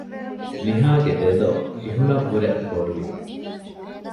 ނިހާގެ ދެލޯ އިހުނަށްވުރެ ބޮޑުވި